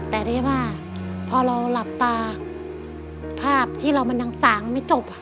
แต่ที่ว่าพอเราหลับตาภาพที่เรามันดังสางไม่จบ